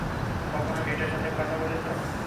কখনও মেয়েটার সাথে কথা বলেছ?